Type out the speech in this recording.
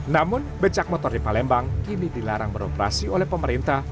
namun becak motor di palembang kini dilarang beroperasi oleh pemerintah